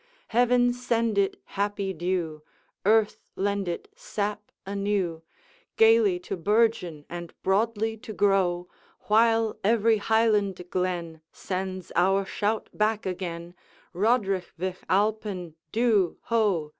Heaven send it happy dew, Earth lend it sap anew, Gayly to bourgeon and broadly to grow, While every Highland glen Sends our shout back again, 'Roderigh Vich Alpine dhu, ho!